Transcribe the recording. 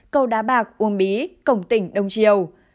cầu đá bạc uông bí cổng tỉnh đông triều